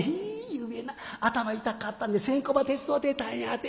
「ゆうべな頭痛かったんで線香場手伝うてたんやて。